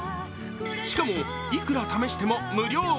しかも、いくら試しても無料。